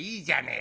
え？